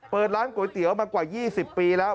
เปิดร้านก๋วยเตี๋ยวมากว่า๒๐ปีแล้ว